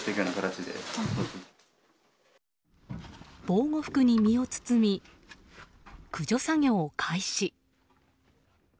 防護服に身を包み駆除作業開始。